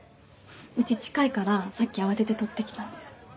家近いからさっき慌てて取ってきたんです。